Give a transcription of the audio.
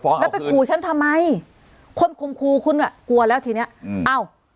แล้วไปขู่ฉันทำไมคนคมครูคุณอ่ะกลัวแล้วทีเนี้ยอืมอ้าว